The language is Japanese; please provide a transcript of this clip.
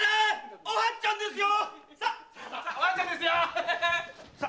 おはつちゃんですよ！